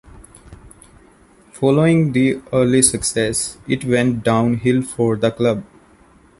Following the early success, it went down hill for the club.